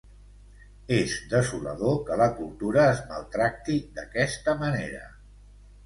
És desolador que la cultura es maltracti d’aquesta manera.